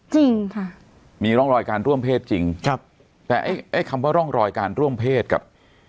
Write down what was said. จริงค่ะมีร่องรอยการร่วมเพศจริงครับแต่ไอ้ไอ้คำว่าร่องรอยการร่วมเพศกับ